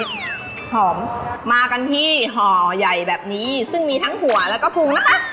หอมมากันที่ห่อใหญ่แบบนี้ซึ่งมีทั้งหัวแล้วก็พุงนะคะ